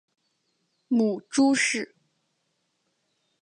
母朱氏。